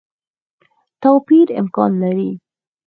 توپیر امکان لري.